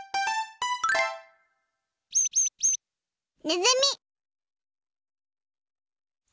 ねずみ。